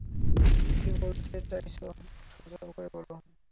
কী বলতে চাইছ সোজা করে বলো।